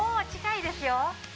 もう近いですよ。